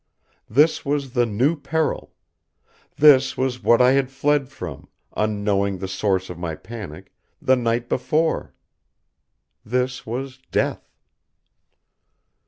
This was the new peril. This was what I had fled from, unknowing the source of my panic, the night before. This was death.